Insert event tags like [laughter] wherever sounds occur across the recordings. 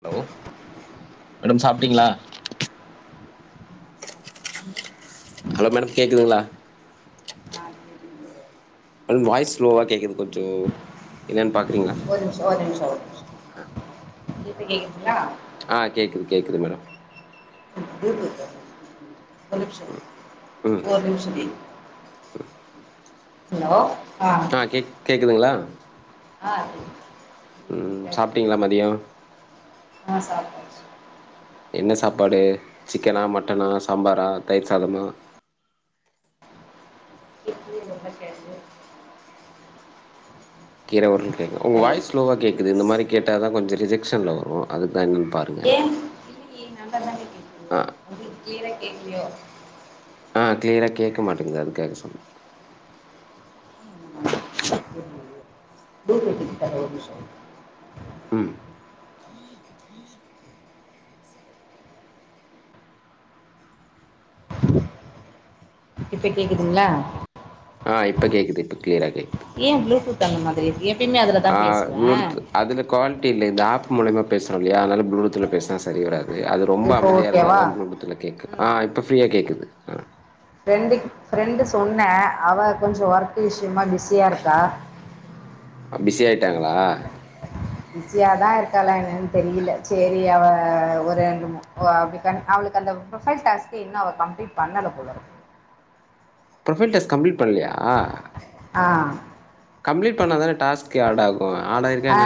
Hello madam சாப்பிட்டீங்களா hello madam கேக்குதுங்களா ஆஹ் கேக்குதுங்க வாய்ஸ் ஸ்லோவா கேக்குது கொஞ்சம் என்னன்னு பா ஒரு நிமிஷம் ஒரு நிமிஷம் ஒரு நிமிஷம் இப்ப கேக்குதுங்களா ஆஹ் கேக்குது கேக்குது மேடம் [unintelligible] ஒரு நிமிஷம் ம் ஒரு நிமிஷம் வெயிட் ஹலோ ஆஹ் கேக் கேக்குதுங்களா [inaudible] ஆஹ் கேக்குது உம் சாப்பிட்டீங்களா மதியம் ஆ சாப்டாச்சு என்ன சாப்பாடு சிக்கனா மட்டனா சாம்பாரா தயிர் சாதமா இட்லி உருளக்கெழங்கு கீர உருளக்கெழங்கா உங்க வாய்ஸ் ஸ்லோவா கேக்குது இந்த மாரி கேட்டாதா கொஞ்ச ரிஜெக்ஷன்ல வரு அதுக் ஏ இல்லயே நல்லா தானே கேக்குது ஆ உங்களுக்கு க்ளியரா கேக்லையோ கேக்க மாட்டேங்குது அதுக்காக சொன்னே [unintelligible] உம் இப்ப கேக்குதுங்ளா ஆ இப்ப கேக்குது இப்ப கே க்ளியரா கேக் தந்மாதிரியே ஆ ப்ளூடூத் அதுல குவாலிட் டி இல்ல இது ஆப் மூல்யமா பேசறோல்லையா அதனால ப்ளூடூத்ல பேசுனா சரி வராது து அது ரொம்ப இப்போ அமைதிய ஓகேவா இருந்தாதா ப்ளூடூத்துல கேக்கு ஆ இப்போ ஃப்ரீயா கேக்குது ஆ ஃப்ரெண்டுக் ஃப்ரெண்டு சொன்னே அவ கொஞ்ச ஒர்க் விஷ் ஷ்யமா பிஸியா இருக்கா ட்டாங்களா பிஸியாதா இருக்காளா என்னன் தெரியல செரி அவ ஒரு ரெண்ட ஓ அவளுக்கு அந்த ப்ரொஃபைல் டாஸ்க்கெ இன்னு அவ கம்ப்ளீட் பண்ணல போலருக் ப்ரொஃபைல் டாஸ்க் கம்ப்ளீட் பண்லியா ஆ தி ஆடாகும் ஆ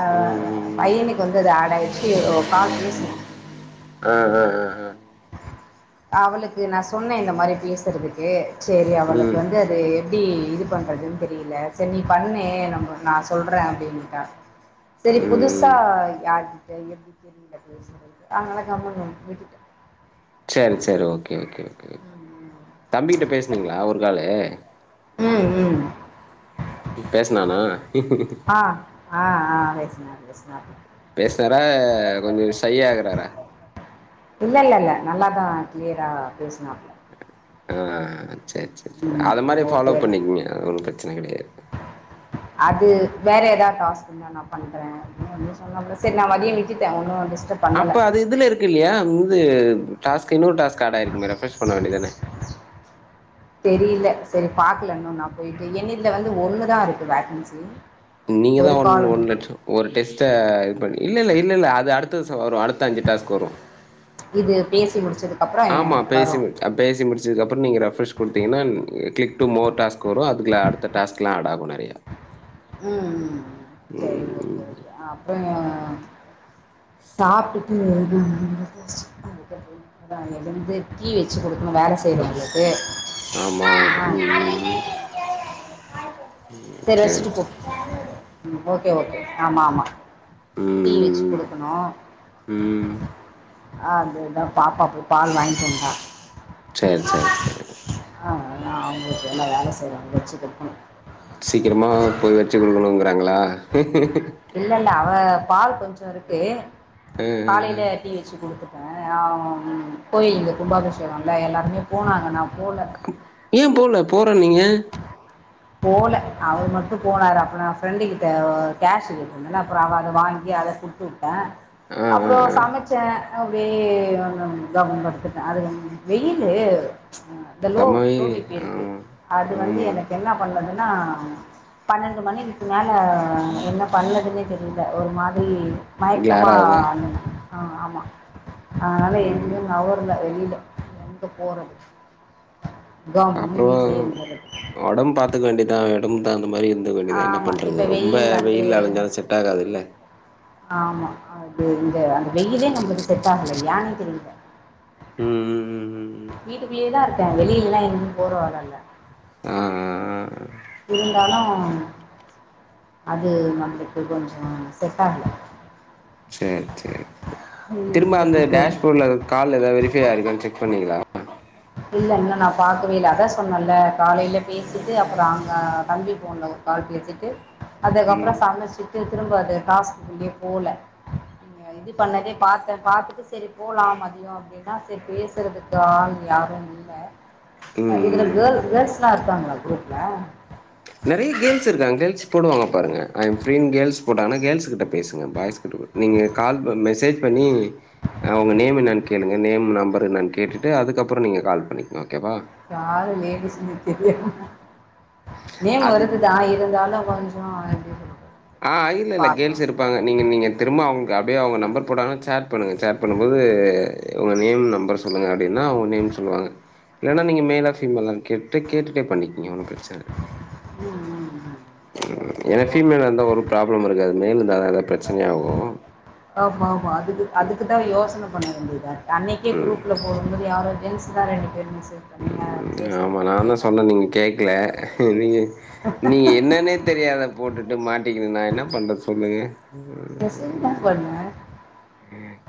அ‌ ம் ம் ம். பையனுக்கு வந்து அது ஆடாயிச்சி கால் பேசு அ அவளுக்கு நா‌ சொன்னே இந்த மாரி பேசுறதுக்கு சேரி அவளுக்கு ம் வந்து அது ப்டி இது பண்றதுன் தெரியல செர் நீ பண்ணு நம் நா சொல்றே அப்டீன்னுட்டா செரி புதுசா ம் யார் [unintelligible] விட்டுட்ட சேரி சேரி ஓகே கே ஓகே ஓகே தம்பிக்கிட்ட பேசுனிங்ளா ஒரு காலு உம் உம் பேசுனானா ஆ ஆ பேசினார் பேசினார் பேசனாரா கொஞ்ச ஷை ஆகுறாரா இல்லல்ல நல்லாதா க்ளியரா பேசுனா ஆ செ செ செ ம் அது மாரி ஃபாலோ ஓகே பண்ணிக்கங்க அவனுக்கு அது வேற ரிய டாஸ்க் நா பண்றே அப்டி சொன்ன போல சரி ந மதிய விடுக் அப்ப அது இதுல இருக்கு இல்லயா முது டாஸ்க் இன்னொரு டாஸ்க் ஆடாயிருக்குமே ஃரெப்ரெஸ் பண்ண வேண்டிய தனே தெரில சரி பாக்கலன்னு நா போயி என்ன இதுல வந்து ஒண்ணுதா இருக்கு வகன்சி நீங்கதா ஒன்னு ஒன் லட்சம் ஒரு டெஸ்ட்ட இது பண்ண இல்ல இல்ல இல்ல இல்ல அது அடுத்த வரும் அடுத்த அஞ்சு டாஸ்க் வரும் இது பேசி முடிச்சதுக்கப்புறம் ஆமா எ- பேசி வரும் மு பேசி முடிச்சதுக்குப்பற நீங்க ஃரெப்ரெஸ் குடுத்தீங்கன்னா கிளிக் டு மோர் டாஸ்க் வரும் அதுல அடுத்த டாஸ்களாம் ஃஆட் ஆவும்நெறய ம் ம் சரி ஓகே ஓகே அப்பற சாப்பிட்டுட்டு ன் ன் எந்து டீ வச்சு குடுக்கணு வேல செய்றவங்களுக்கு ஆமா உம் உம் உம் சரி சேர் வச்சுட்டு போ ஓகே ஓகே ஆமா ஆமா ம், டீ வச்சு ம், ம். குடுக்கணும் ம். ஆஹ் அதுதான் பாப்பா போய் பால் வாங்கிட்டு இருந்தான் சேரி சேரி சேரி ஆ நான் அவங்களுக்கு எல்லாம் வேல செய்யறாங்க வச்சுக்கப்ப சீக்கிரமா போய் வச்சு குடுக்கணுங்கிறாங்களா [inaudible] இல்ல இல்ல அவ பால் கொஞ்சம் இருக்கு அ அ அ காளயில டீ வச்சு குடுத்து [unintelligible] கோயில் இந்த கும்பாபிஷேகம் ல எல்லோருமே போனாங்க நா ஏன் போல போற நீங்க போல அவர் மட்டும் போனாரு அப்புறம் நான் ஃப்ரெண்டு கிட்ட கேஷ கட்டு இருந்தேன்ன அப்பறம் அவ அத வாங்கி அதை குடுத்துட் ஆ ஆ அப்புறம் ஆ சமச்சேன் ந வெய ஒ கவனம் கொடுத்துட்டேன் அது வெயில் லோ செம வெயிலு லோபி இருக்கு ஆமா அது வந்து ஆமா எனக்கு என்னா வந்துன்னா பன்னெண்டு மணிக்குக்கு மேலே என்ன பண்ணதுன்னே தெரில ஒரு மாதிரி மயக்கமா கிளாரா அதா [unintelligible] ஆ ஆம்மா. ஆதனால ம் எங்கங்க அவருள்ள வெளில. எங்க போறது. கம்முனு வீட்டுலயே இருந்துரது. துக்க வேண்டிதா ஒடம்தா. இந்த மாரி இருந்துக்க வேண்டியதா என்ன ஆமா பண்றது இப்ப ரொம்ப வெயில் வந்து வெயில் அலைஞ்சாலு செட் ஆகாது இல்ல. ஆமா அது. அந்த வெயிலே நம்மளுக்கு செட் ஆகல ஏன்னே. தெரியல. ம் ம் ம் ம் ம் வீட்டுக்குள்ளயேதா இரு. ப்ப வெளியில எல்லா எங்கு போற வேல எல்லா இல்ல. ஆஹஹேஹ. இருந்தாலும் அது நம்மளுக்கு கொஞ்சோ செட் ஆகல. சேரி சேரி சேரி திரும்ப வீட்லயே அந்த இருக்கட்டும். டேஷ்போர்ட்ல எதாவது கால் எதாவது வெரிஃபை ஆயிருக்கானு செக் பண்ணீங்களா. இல்ல இன்னு நா பாக்கவே இல்ல அதா சொன்னல்ல காலையில பேசிட்டு அப்புறோ அங்க தம்பி போன்ல ஒரு கால் பேசிட்டு. அதுக்கப்புறோ ம் சமச்சுட். ட்டு திரும்ப அது டாஸ்குள்லயே போல. இது பண்ணதே பாத்தே பாத்துட்டு சேரி போலா மதியோ அப்படின்னா சேரி பேசுறதுக்கு ஆள். யாரும் இல்ல. ம் இதுல ம் கேள்ஸ் கேள்ஸ்ல்லா இருக்காங்களா குரூப்ல. நெறைய கேர்ள்ஸ் இருக்காங்க கேர்ள்ஸ் போடு வாங்க பாருங்க ஐம் ஃப்ரீனு கேர்ள்ஸ் போட்டாங்கனா கேர்ள்ஸ கிட்ட பேசுங்க பாய்ஸ்க்கிட்ட நீங்க கால் மெசேஜ் பண்ணி. அவங்க நேம் என்னன்னு கே. கேளுங்க நேம் நம்பர் என்னன்னு கேட்டுட்டு அதுக்கப்புறோ நீங்க கால் பண்ணிக்கங்க ஓக்கேவா. யாரு லேட்டிஸ்னே தெரியலியே. நேம் அது வருதுதா இருந்தாலும் கொஞ். தா இப்படி சொல்லுவாங்க. ஆஹ இல்ல இல்ல கேர்ள்ஸ் இருப்பாங்க நீங்க நீங்க திரும்ப அவங். க அப்டியே அவங்க நம்பர் போட்டாங்கன்னா சேட் பண்ணுங்க சேட் பண்ணும்போது உங்க நேம் நம்பர் சொல்லுங்க அப்டின்னா அவங்க நேம் சொல்லுவாங்க. இல்லன்னா நீங்க மேலா பிமேலா கேட்டு கேட்டுட்டே பண்ணிக்கீங்க ஒன்னு பிரச்சனயில்ல. உம் உம் உம் சேரி ஏன்னா சேரி ஃபீமேலா இருந்தா ஒரு ஓக்கே. ப்ராப்ளம் இருக்காது மேல்லு இந்தாதா ஏதா பிரச்சனையாகு. ஆமா ஆமா அதுக்கு அதுக்குதா யோசன. பண்ண வேண்டியதாருக். அன்னிக்கே குரூப்புல போடும்போது யாரோ ஜென்ஸ். [unintelligible] உம் ஆமா நாதா சொன்ன நீங்க கேக்கல நீங்க நீங்க என்னன்னே தெரியாத. போட்டுட்டு மாட்டிக்கின்னா நா என்ன பண்ணுறது சொல்லுங்கள். மெசேஜ்தா பண்ண.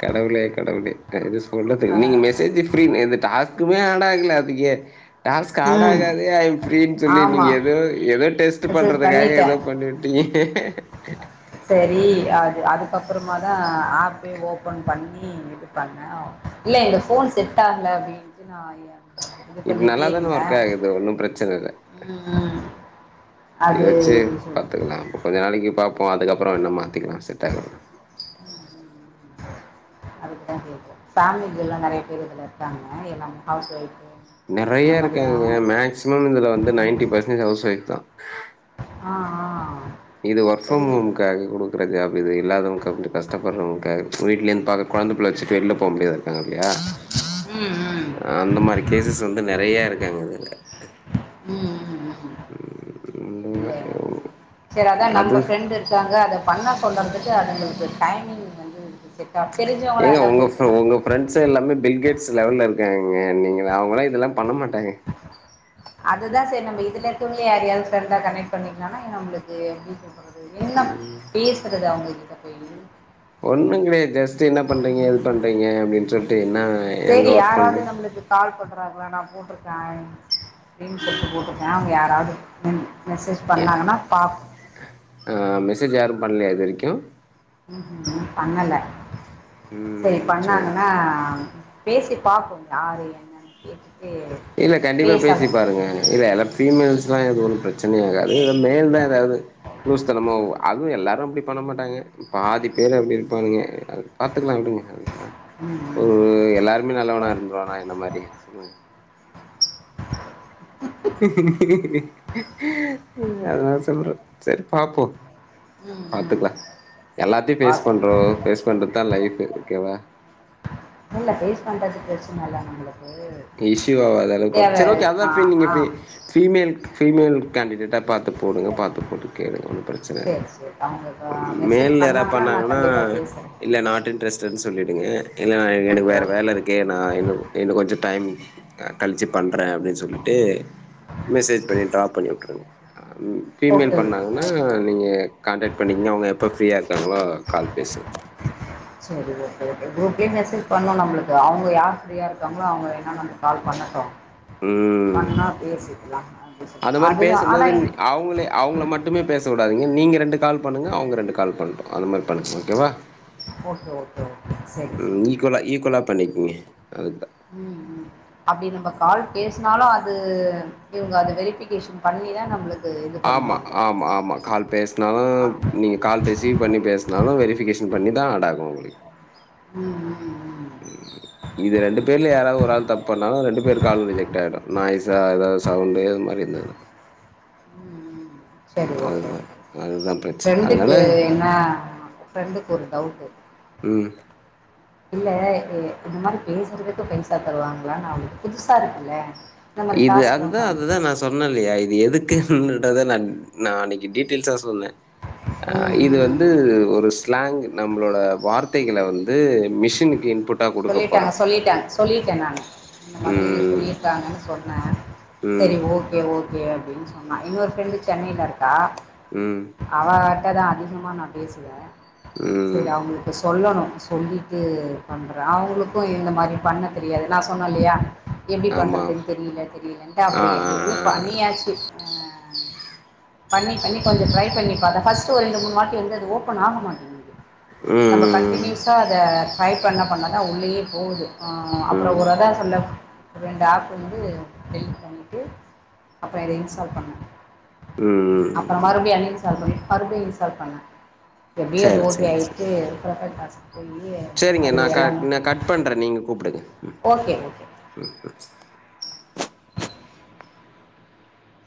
கடவுளே கடவுளே அ ஆ நீங்க மெசேஜ் ஃப்ரீ டாஸ்க் க்குமே ஆடாகல அதுக்கே டாஸ்க் ம். ஆடாகாது ஐம் ஃப்ரீனு சொல்லி ஆமா. நீங்க ஏதோ ஏதோ டெஸ்ட் மெசேஜ் பண்றதுக்காக பண்ணிட்டேன். ஏதோ பண்ணிவுட்டீங்க கட்டு சரி அது அதுக்கப்புறமாதான் ஆப்பே ஓபன் பண்ணி இது பண்ண இல்ல இந்த போன் செட் ஆகல அப்டின்னு [unintelligible] இப்ப நல்லாதானே ஒர்க் ஆகுது ஒன்னும் பிரச்சன இல்ல ம், ம். இத அது வச்சு எப்டி சொல்றது? பாத்துக்கலாம் இப்ப கொஞ்ச நாளைக்கு பாப் போம் அதுக்கப்புறம் என்ன மாத்திக்கலாம் செட்டாகலனா அதுக்குதான் கேக்குறேன் ஃபேமிலிக்கு எல்லாம் நறைய பேர் இதுல இருக்காங்க எல்லாம் ஹவுஸ் ஒய்ஃப் நறைய இருக்காங்க மேக்சிமம் இதுல வந்து நைன்டி பர்சன் ஹவுஸ்ஒய்ஃப் தான் ஆ ஆ இது ஒர்க் ஃப்ரம் தெரியல ஹோமுகாக குடுக்குற ஜாப் இது இல்லாதவூங்க கஷ்டப்படுறவுங் க வீட்லருந்து பாக்க குழந்தபுள்ள வச்சிட்டு வெள்ல போக முடியாதுல்ல ம் ம் அந்த மாரி கேசஸ் வந்து நறைய இருக்கு எங்கயிதுல்ல ம்ம்ம் [unintelligible] சேரி அதா அது நம்ம பிரெண்டு இருக்காங்க அத பண்ண சொல்றதுக்கு அதுக்கு கொஞ்ச டைமிங் வந்தூ செட் ஆகும் தெரிஞ்சவங்களாம் ஏங்க இருந்தால் உங்க பிரச்சனை உங்க இருக்கும் பிரெண்ட்ஸ் எல்லாமே பில்கேட்ஸ் ஸ்லெல்ல இருக்காங்கங்க நீங்க அவுங்களா இதெல்லா பண்ண மாட்டாங்க அதுதான் சார் நம்ம இதுல இருக்கிறவுங்களே யாரயாவது ஃப்ரண்டா கனெக்ட் பண்ணிக்கலாம்னா நம்மளுக்கு எப்படி சொல்றது என்ன பேசுறது அவுங்ககி [unintelligible] ஒண்ணுங்கெடையாதுஜஸ்ட் என்ன பண்றீங்க ஏது பண்றீங்க அப்டின்னு சொல்லிட் சரி யாராவது நம்மளுக்கு கால் பண்ணு நான் போட்டிருக்கன் அப்டின்னு சொல்லிட்டு போட்டிருக்கேன் அவுங்க யாராவது மெசேஜ் பண்ணாங்கன்னா பாப் பண்லயா இது வரைக்கும் உஹூம் ம் பண்ணல சரி பண்ணாங்கன்னா பேசி பாப்போம் யாரு என்னன்னு கேட்டுட்டு இல்ல கண்டிப்பா பேசி பேசலா பாருங்க இல்ல அதா ஃபீமேல்ஸ்ன்னா எதுவொன்னு பிரச்சனையாகாது அதுவே மேல்தா எதாவது லூசுதனமா அதுவு எல்லாரும் அப்டி பண்ணமாட்டாங்க பாதி பேர் அப்டி இருப்பானுங்க அது பாத்துக்கலா விடுங்க உம் ம் ம் உம் எல்லாருமே நல்லவனா இருந்துருவானா என்ன மாரி [inaudible] [unintelligible] அதுதா செம்பற சரி பாப்போம் ம் ம் ம் பாத்துக்கலாம் எல்லாத்தையும் பேஸ் பாப்போ பண்றோம் பேஸ் பண்றதான் லைஃபு க்எவா இல்ல பேஸ்ட் பண்றது பிரச்சன இல்ல நம்மளுக்கு கெ இசுகாதளவுக் தேவ பாத்து செரி அதா ஆ ஆ ஓகே ஃபிமேல்க்கு ஃபிமேல் கேண்டிடேட்டா பாத்து போடுங்க பாத்து போட்டு கேளுங்க ஒன்னு பிரச்சனயில்ல சேரி சேரி அவங்க மெசேஜ் மேல்ல யாரவது நா பண்ணாங்கன்னா கண்டிப்பா பேசுறே இல்ல நாட் இன்ட்ரெஸ்டடன்னு சொல்லிடுங்க இல்ல எனக்கு ஓகே வேறு வேல இருக்கு நான் கொஞ்ச ம் கழிச்சு பண்றேன் சொல்லிட்டு மெசேஜ் பண்ணி டிராப் பண்ணி வுட்ருங்க ஆ ஓகே ஃபீமெயில் ஓகே பண்ணாங்கன்னா ஓகே நீங்க கான்டெக்ட் பண்ணிங்கன்னா அவங்க எப்போ ஃப்ரீயா இருக்காங்களோ கால் பேசு செரி ஓகே ஓகே குரூப்லே மெசேஜ் பண்ணோ நம்மளுக்கு அவங்க யார் ஃப்ரீயா இருக்காங்களோ அவங்க வேன்னா நம கால் பண்ணட்டும் உம் பண்ணா பேசிக்கலாம் அப்படின்னு சொல்லி அந்த மாரி அதுதான் பேசும்போது ஆனால் அவுங்களே அவங்கள ம் மட்டுமே பேச விடாதீங்க நீங்க ரெண்டு கால் பண்ணுங்க அவங்க ரெண்டு கால் பண்ணட்டும் அந்த மாரி பண்ண ஓகேவா ஓகே ஓகே ஓகே செரி செரி பண்ணிக்குங்க அது உம் அப்டி நம்ம கால் பேசுனாலும் அது இவங்க அது வெரிபிகேஷன் பண்ணிதான் நம்மளுக் ஆமா ஆமா ஆமா கால் பேசுனாலும் ஆ நீங்க கால் ரிசீவ் பண்ணி பேசுனாலும் வெரிபிகேஷன் பண்ணிதான் [unintelligible] உம் உம் ம் ம் இது ரெண்டு பேர்ல யாராது ஒரு ஆள் தப்பு பண்ணாலு ரெண்டு பேர் காலு ரிஜெக்ட் ஆயிடு நாய்ஸா ஏதாவது சவுண்டு இது மாரி இருந்ததுன்ன உம் உம் செரி ஓகே அதுதான் பிரச்சனை. அதனால ப்ரெட்ண்டுக்கு என்னா ப்ரெண்டுக்கு ஒரு டவுட் ம். இல்ல இந்த மாரி பேசுறதுக்கு பைசா தருவாங்களா நான் அவளுக்கு புதுசா இருக்குல்ல இந்த மாரி இது டாஸ்க்லாம் அதுதான் பண்ண அதுதான் நா சொன்னே இல்லயா இது எதுக் க்குத நான் நா அன்னைக்கு டீட்டெய்ல்ஸா சொன்னே ம் இது ம். வந்து ஒரு ஸ்லாங் நம்மளோட வார்த் [unintelligible] வந்து மிஷினுக்கு இன்புட்டா குடுக்க சொல்லிட்டாங்க போறோம். சொல்லிட்டாங்க சொல்லிட்டேன் நானு இந்த மாதிரி ம், சொல்லிருக்காங்கன்னு சொன் ம், சரி ஓகே ஓகே ஓகே அப்டின்னு சொன்னா இன்னொரு ஃப்ரெண்டு சென்னையில இருக்கா ம், அவ ந்தாதா அதிகமா நா பேசுவே செரி ம். அவுங்களுக்கு சொல்லணு சொல்லிட்டு பண்ற அவுங்களுக்கு இந்த மாரி பண்ண தெரியாது நா சொன்னல்லயா எப்டி ஆமா பண்றதுன் தெரில தெரியலன்ட்டு ஆ அப்புறோ ஆ ஆ எப்பப்டியோ பண்ணியாச்சு பண்ணி பண்ணி கொஞ்சோ ட்ரை பண்ணி பாத்த ஃபஸ்ட் ஒரு ரெண்டு மூணுவாட்டி வந்து ஓப் பன் ஆக மாட்டிங்கிது நம்ப ம் ம் கண்டினியூஸா அத ஹை பண்ண பண்ணதா உள்ளயே போகுது ஆ அப்புறோ ம் ஒரதா சொல்ல ரெண்டு ஆப் வந்து டெலீட் பண்ணிட்டு அப்றோ இத இன்ஸ்டால் பண்ணே ம் அப்பற ம் மறுபடி அன் இன்ஸ்டால் பண்ணிட் மறுபடி இன்ஸ்டால் பண்ண எப்டியோ அது சரி ஓகே சரி சரி ஆகிட்டு ப்ரொஃபைல் டா போயி சரிங்க நா [unintelligible] க நா கட் பண்றே நீங்க கூப்புடுங்க ஓகே ஓகே [inaudible]